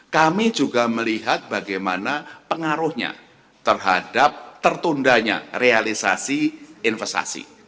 kami juga melihat bagaimana pengaruhnya terhadap tertundanya realisasi investasi